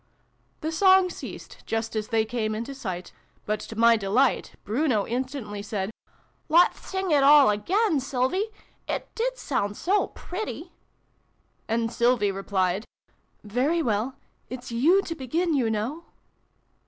The song ceased just as they came into sight : but, to my delight, Bruno instantly said " Let's sing it all again, Sylvie ! It did sound so pretty !" And Sylvie replied " Very well. It's you to begin, you know."